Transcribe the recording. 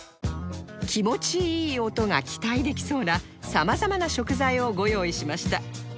気持ちいい音が期待できそうな様々な食材をご用意しました